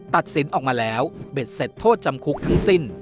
ตัดสินออกมาแล้วเบ็ดเสร็จโทษจำคุกทั้งสิ้น